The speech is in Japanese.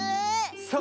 そう。